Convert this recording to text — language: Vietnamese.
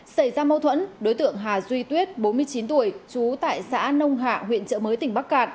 xảy ra mâu thuẫn đối tượng hà duy tuyết bốn mươi chín tuổi trú tại xã nông hạ huyện trợ mới tỉnh bắc cạn